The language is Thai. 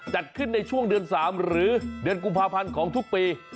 จัดขึ้นในช่วงเดือน๓หรือเดือนกุมภาพันธ์ของทุกปี